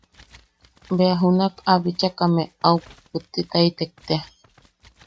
Bea junak bea a bichakame au pupputtitaitek tea.